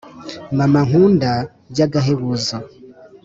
mama nkunda byagahebuzo.